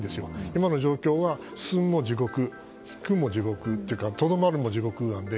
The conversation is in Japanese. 今の状況は進むも地獄、引くも地獄とどまるのも地獄なので。